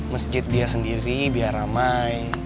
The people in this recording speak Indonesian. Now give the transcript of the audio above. masjid dia sendiri biar ramai